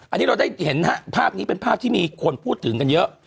อันนี้เราได้เห็นภาพนี้เป็นภาพที่มีคนพูดถึงกันเยอะ